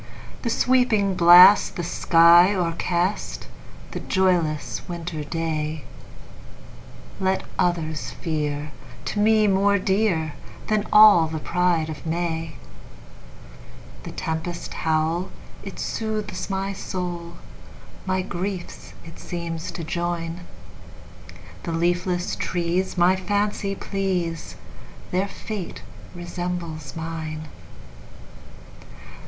"The sweeping blast, the sky o'ercast,"The joyless winter dayLet others fear, to me more dearThan all the pride of May:The tempest's howl, it soothes my soul, My griefs it seems to join; The leafless trees my fancy please, Their fate resembles mine!